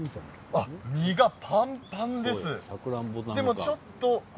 実がパンパンです。